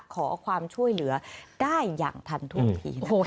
ขอความช่วยเหลือได้อย่างทันทุกที